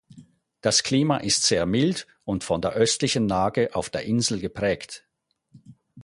Das Klima ist sehr mild und von der östlichen Lage auf der Insel geprägt.